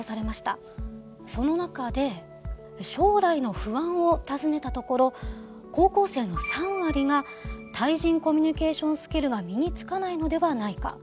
その中で将来の不安を尋ねたところ高校生の３割が対人コミュニケーションスキルが身につかないのではないか。